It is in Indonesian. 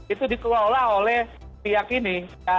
itu dikelola oleh pihak ini